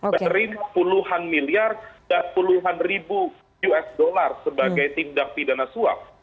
menerima puluhan miliar dan puluhan ribu usd sebagai tindak pidana suap